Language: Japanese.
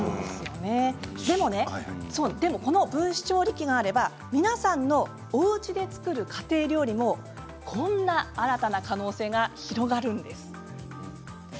でもね、この分子調理器があれば皆さんのおうちで作る家庭料理もこんな新たな可能性が広がるんです。